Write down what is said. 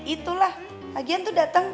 itulah lagian tuh dateng